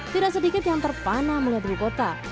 tidak sedikit yang terpana melihat ibu kota